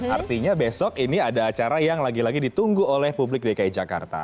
artinya besok ini ada acara yang lagi lagi ditunggu oleh publik dki jakarta